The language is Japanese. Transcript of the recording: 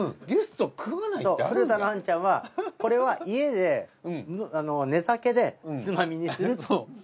古田のあんちゃんはこれは家で寝酒でつまみにすると。